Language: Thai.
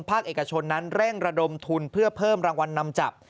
เอกชนนั้นเร่งระดมทุนเพื่อเพิ่มรางวัลนำจับ